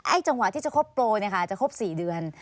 ไอ้จังหวะที่จะครบโปรจะครบ๔เดือน